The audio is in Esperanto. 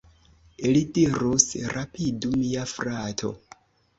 Li dirus: "rapidu, mia frato!"